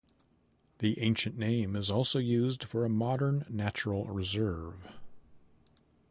The ancient name is also used for a modern natural reserve.